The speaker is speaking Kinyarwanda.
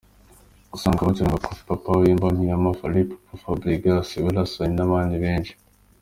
Usanga bacuranga Koffi , Papa Wemba ,Mpiana ,Fally Ipupa, Fabregas, Wellasoni n’abandi benshi.